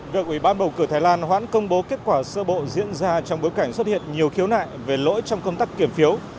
việc ủy ban bầu cử thái lan hoãn công bố kết quả sơ bộ diễn ra trong bối cảnh xuất hiện nhiều khiếu nại về lỗi trong công tác kiểm phiếu